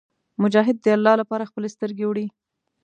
مجاهد د الله لپاره خپلې سترګې وړي.